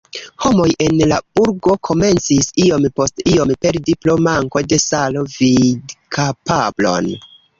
Homoj en la burgo komencis iom post iom perdi pro manko de salo vidkapablon.